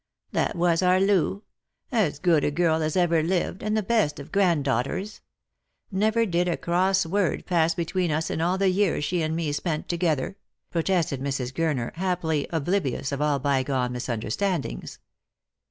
" That was our Loo ; as good a girl as ever lived, and the best of granddaughters. Never did a cross word pass between us in all the years she and me spent together," protested Mrs. Gurner, happily oblivious of all bygone misunderstandings.